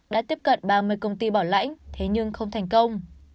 đã tiếp cận ba mươi công ty bảo lãnh thế nhưng không thành công